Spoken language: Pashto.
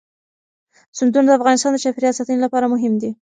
سیندونه د افغانستان د چاپیریال ساتنې لپاره مهم دي.